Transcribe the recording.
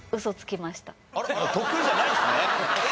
得意じゃないんですね。